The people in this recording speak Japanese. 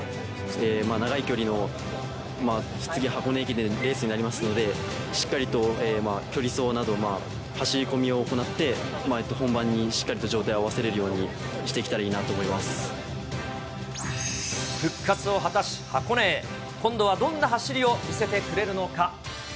長い距離の、次、箱根駅伝のレースになりますので、しっかりと距離走など、走り込みを行って、本番にしっかりと状態合わせれるようにしてい復活を果たし、箱根へ、今度はどんな走りを見せてくれるのか。